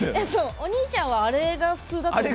お兄ちゃんはあれが普通だと思う。